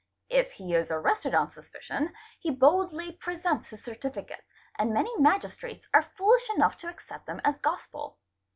If he is arrested on suspicion, he boldly presents his certificates, and many Magistrates are foolish enough to accept them — as gospel.